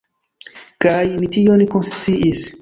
Kaj ni tion konsciis.